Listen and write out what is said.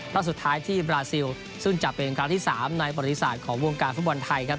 รอบสุดท้ายที่บราซิลซึ่งจะเป็นครั้งที่๓ในประวัติศาสตร์ของวงการฟุตบอลไทยครับ